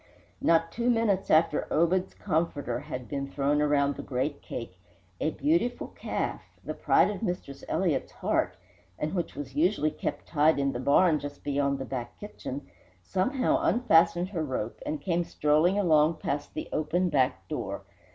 Not two minutes after Obed's "comforter" had been thrown around the great cake a beautiful calf, the pride of Mistress Elliott's heart, and which was usually kept tied in the barn just beyond the back kitchen, somehow unfastened her rope and came strolling along past the open back door.